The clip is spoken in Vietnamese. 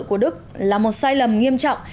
của đức là một sai lầm nghiêm trọng